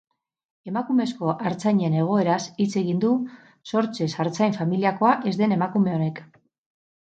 Emakumezko artzainen egoeraz hitz egin du sortzez artzain familiakoa ez den emakume honek.